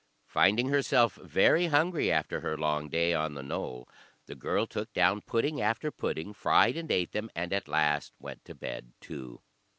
Finding herself very hungry after her long day on the knoll, the girl took down pudding after pudding, fried and ate them, and at last went to bed too.